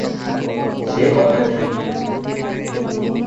সে কথা ঠিক।